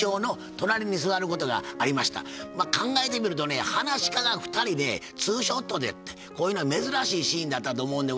考えてみるとねはなし家が２人でツーショットでってこういうのは珍しいシーンだったと思うんでございますがね。